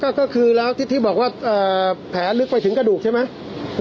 ครับอ่าฮะแล้วก็คือแล้วที่ที่บอกว่าอ่าแผลลึกไปถึงกระดูกใช่ไหม